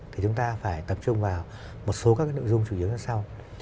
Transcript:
thì chúng ta phải tập trung vào một số các nội dung chủ yếu như sau